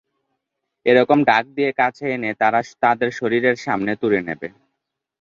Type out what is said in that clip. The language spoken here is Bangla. এইরকম ডাক দিয়ে কাছে এনে, তারা তাদের শরীরের সামনে তুলে নেবে।